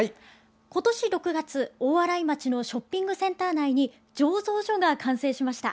今年６月、大洗町のショッピングセンター内に醸造所が完成しました。